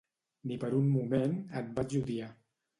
Ni per un moment et vaig odiar.